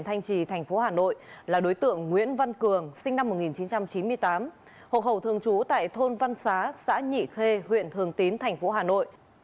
hộ khẩu thường trú tại thôn văn xá xã nhị khê huyện thường tín tp hà nội